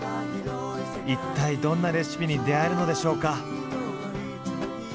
一体どんなレシピに出会えるのでしょうか？